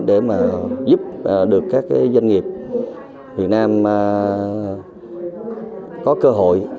để mà giúp được các doanh nghiệp việt nam có cơ hội